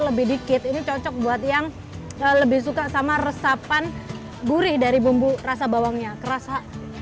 lebih dikit ini cocok buat yang lebih suka sama resapan gurih dari bumbu rasa bawangnya kerasa